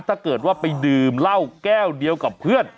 ถ้าเกิดว่าไปดื่มเหล้าแก้วเดียวกับเพื่อน